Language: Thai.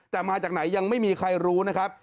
แต่มาจากไหนยังไม่มีใครรู้นะครับ